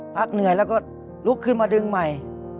พักเหนื่อยแล้วก็ลุกขึ้นมาดึงใหม่